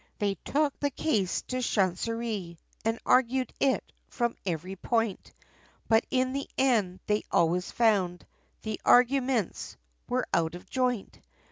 They took the case to chancerie, And argued it, from every point, But in the end, they always found, The arguments, were out of joint!